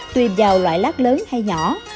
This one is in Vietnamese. tùy vào loại lát lớn hay nhỏ